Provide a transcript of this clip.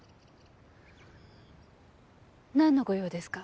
何のご用ですか？